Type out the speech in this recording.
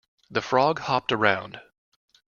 The frog hopped around.